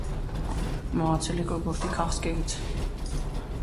Մահացել է կոկորդի քաղցկեղից։